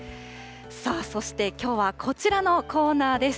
さあ、そしてきょうはこちらのコーナーです。